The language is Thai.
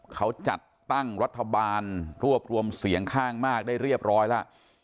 เขาจัดตั้งรัฐบาลรวบรวมเสียงข้างมากได้เรียบร้อยแล้ว